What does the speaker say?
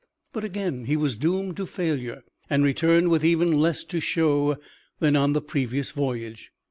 But again he was doomed to failure and returned with even less to show than on the previous voyage.